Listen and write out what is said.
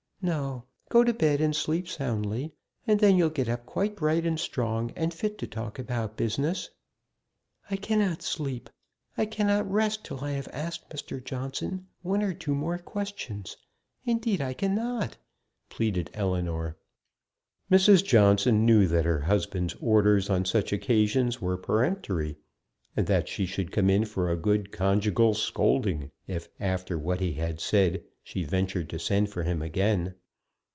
No; go to bed, and sleep soundly, and then you'll get up quite bright and strong, and fit to talk about business." "I cannot sleep I cannot rest till I have asked Mr. Johnson one or two more questions; indeed I cannot," pleaded Ellinor. Mrs. Johnson knew that her husband's orders on such occasions were peremptory, and that she should come in for a good conjugal scolding if, after what he had said, she ventured to send for him again.